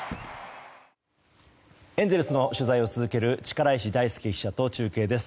エンゼルスの取材を続ける力石大輔記者と中継です。